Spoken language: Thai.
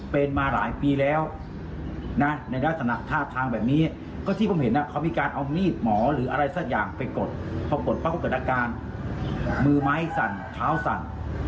พอปรดปักฏกรราค์การมือไม้สั่นขาวสั่น